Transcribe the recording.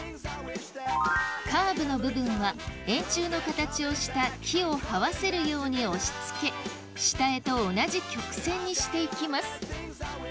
カーブの部分は円柱の形をした木をはわせるように押し付け下絵と同じ曲線にしていきます